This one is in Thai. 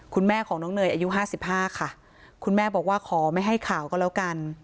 คุณแม่ของน้องเนยอายุห้าสิบห้าค่ะคุณแม่บอกว่าขอไม่ให้ข่าวก็แล้วกัน